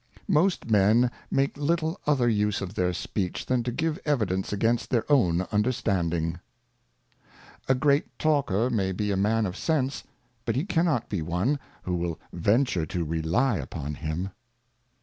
Most Men make little other use of their Speech than to give evidence against their own Understanding. A great Talker may be a Man of Sense, but he cannot be one, who will venture to rely upon him.